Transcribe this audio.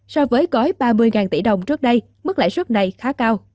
so với gói ba mươi tỷ đồng trước đây mức lãi suất này khá cao